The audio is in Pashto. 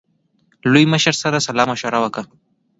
لوی مشر سره سلا مشوره وکړه.